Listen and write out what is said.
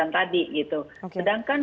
tadi gitu sedangkan